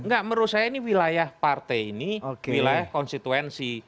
enggak menurut saya ini wilayah partai ini wilayah konstituensi